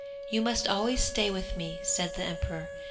'You must always stay with me!' said the emperor.